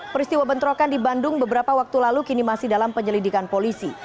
peristiwa bentrokan di bandung beberapa waktu lalu kini masih dalam penyelidikan polisi